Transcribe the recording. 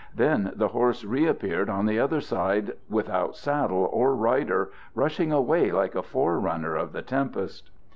Then the horse reappeared on the other side, without saddle or rider, rushing away like a forerunner of the tempest.